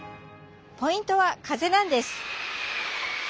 ポイントは風なんです。